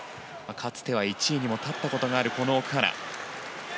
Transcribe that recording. かつては１位にも立ったことがある奥原。